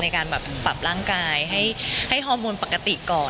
ในการแบบปรับร่างกายให้ฮอร์โมนปกติก่อน